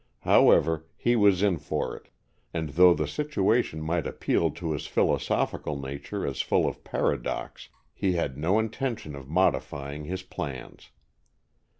However, he was in for it, and though the situation might appeal to his philosophical nature as full of paradox, he had no intention of modifying his plans.